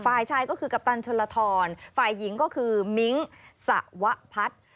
ฝ่ายชายก็คือกัปตันชนลทรฝ่ายหญิงก็คือมิ้งสวพัฒน์